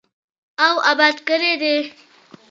او اباد کړی دی.